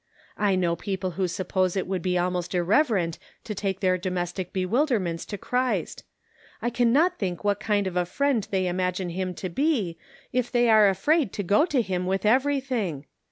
I know people who suppose it would be almost irreverent to take their domestic bewilderments to Christ. I can not think what kind of a friend they imagine him to be, if they are afraid to go to him with everything.